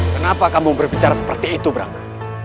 kenapa kamu berbicara seperti itu bram